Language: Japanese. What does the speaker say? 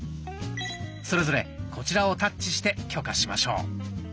それぞれこちらをタッチして許可しましょう。